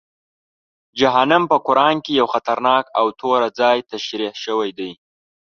جهنم په قرآن کې یو خطرناک او توره ځای تشریح شوی دی.